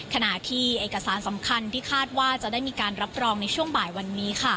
ขณะที่เอกสารสำคัญที่คาดว่าจะได้มีการรับรองในช่วงบ่ายวันนี้